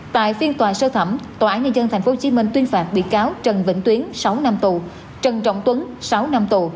tại phiên tòa sơ thẩm tòa án nhân dân thành phố hồ chí minh tuyên phạt biệt cáo trần vĩnh tuyến sáu năm tù trần trọng tuấn sáu năm tù